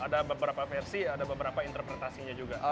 ada beberapa versi ada beberapa interpretasinya juga